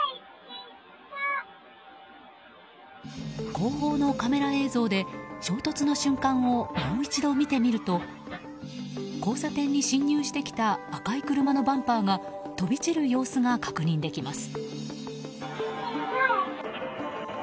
後方のカメラ映像で衝突の瞬間をもう一度見てみると交差点に進入してきた赤い車のバンパーが飛び散る様子が確認できます。